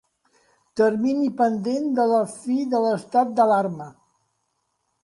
Termini pendent de la fi de l'estat d'alarma.